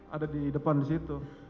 ada di depan disitu